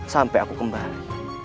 sampai aku kembali